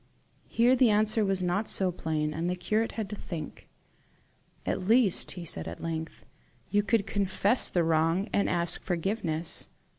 Here the answer was not so plain, and the curate had to think. "At least," he said at length, "you could confess the wrong, and ask forgiveness."